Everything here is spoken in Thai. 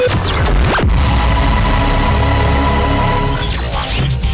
ดาตาคา